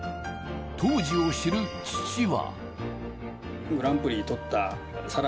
当時を知る父は。